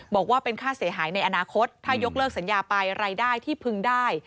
บอกว่าเป็นค่าเสียหายในอนาคตถ้ายกเลิกสัญญาไปรายได้ที่พึงได้